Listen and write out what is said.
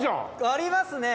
「ありますね！